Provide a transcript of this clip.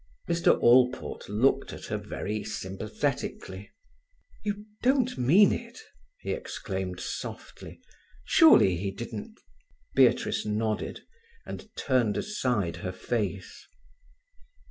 Mr. Allport looked at her very sympathetically. "You don't mean it!" he exclaimed softly. "Surely he didn't—?" Beatrice nodded, and turned aside her face.